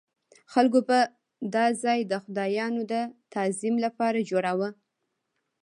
خلکو به دا ځای د خدایانو د تعظیم لپاره جوړاوه.